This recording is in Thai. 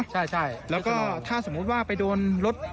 ใช่แล้วก็ถ้าสมมุติว่าไปโดนรถ